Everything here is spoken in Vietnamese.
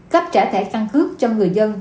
cấp trả thẻ căn cước cho người dân